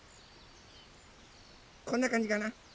こんなかんじかな？